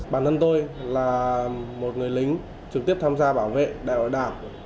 bản thân tôi là một người lính trực tiếp tham gia bảo vệ đại hội đảng